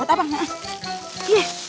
buat abang ya